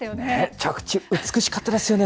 着地、美しかったですよね。